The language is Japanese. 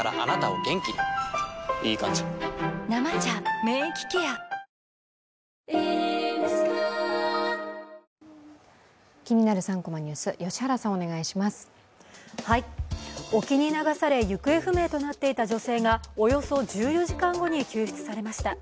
沖に流され行方不明となっていた女性がおよそ１４時間後に救出されました。